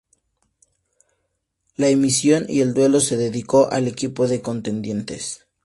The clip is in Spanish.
La emisión y el duelo se dedicó al equipo de contendientes.